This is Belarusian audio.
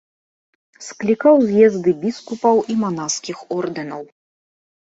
Склікаў з'езды біскупаў і манаскіх ордэнаў.